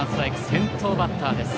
先頭バッターです。